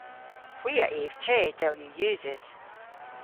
Hwi a yv te, dell yw usys.